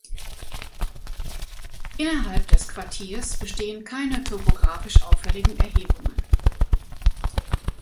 Innerhalb des Quartiers bestehen keine topographisch auffälligen Erhebungen.